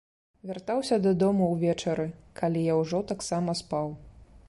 Вяртаўся дадому ўвечары, калі я ўжо таксама спаў.